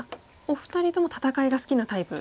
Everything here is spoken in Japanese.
お二人とも戦いが好きなタイプ？